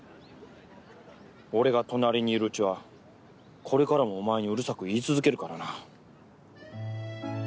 俺が隣にいるうちはこれからもお前にうるさく言い続けるからな。